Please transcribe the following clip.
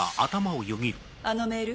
あのメール？